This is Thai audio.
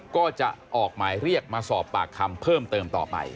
ก็จะออกหมายเรียกมาสอบปากคำเพิ่มเติมต่อไป